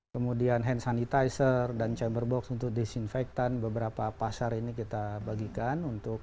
kemudian hand sanitizer dan chamber box untuk disinfektan beberapa pasar ini kita bagikan untuk